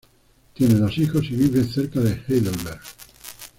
Tiene dos hijos y vive cerca de Heidelberg.